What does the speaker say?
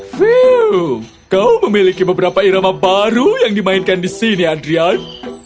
fee kau memiliki beberapa irama baru yang dimainkan di sini andrian